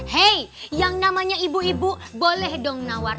hei yang namanya ibu ibu boleh dong nawar